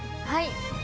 はい！